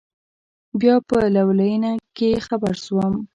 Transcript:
بيا په لوېينه کښې خبر سوم.